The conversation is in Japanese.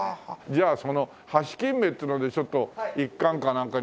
じゃあそのハシキンメっていうのでちょっと１貫かなんか。